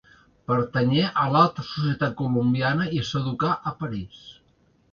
Pertanyé a l'alta societat colombiana i s'educà a París.